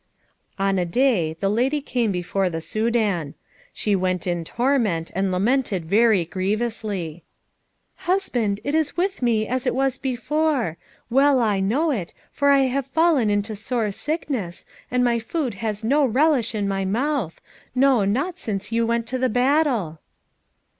On a day the lady came before the Soudan. She went in torment, and lamented very grievously. "Husband, it is with me as it was before. Well I know it, for I have fallen into sore sickness, and my food has no relish in my mouth, no, not since you went to the battle."